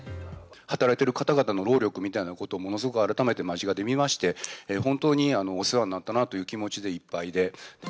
働いている方々の労力みたいなものをものすごく改めて間近で見まして、本当にお世話になったという気持ちでいっぱいで。